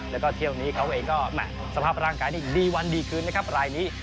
แล้วก็เที่ยวนี้เขาเองก็แหมะสภาพร่างกายได้วันได้คืนนี้ปรายนี้